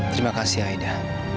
terima kasih aida